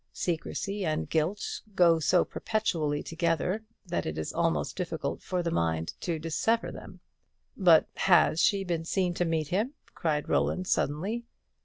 Secrecy and guilt go so perpetually together, that it is almost difficult for the mind to dissever them. "But has she been seen to meet him?" cried Roland, suddenly.